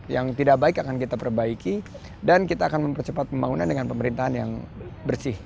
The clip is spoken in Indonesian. yang tidak baik akan kita perbaiki dan kita akan mempercepat pembangunan dengan pemerintahan yang bersih